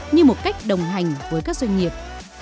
như một cách đồng hành với các doanh nghiệp